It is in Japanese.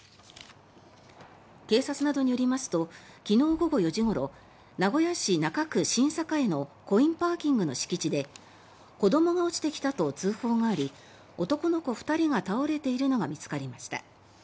警察などによりますと昨日午後４時ごろ名古屋市中区新栄のコインパーキングの敷地で子どもが落ちてきたと通報があり男の子２人が倒れているのが見つかりました。